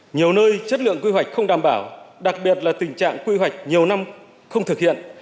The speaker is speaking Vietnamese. nhiều nơi chất lượng quy hoạch không đảm bảo đặc biệt là tình trạng quy hoạch nhiều năm không thực hiện